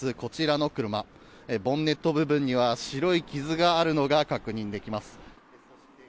ボンネット部分には白い傷があるのが確認できます。